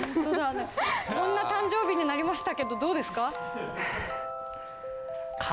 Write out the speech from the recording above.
こんな誕生日になりましたけどどうですか？